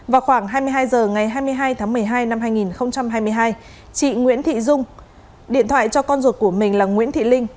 vào khoảng hai mươi hai h ngày hai mươi hai tháng một mươi hai năm hai nghìn hai mươi hai chị nguyễn thị dung điện thoại cho con ruột của mình là nguyễn thị linh